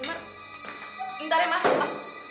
eh damar ntar ya ma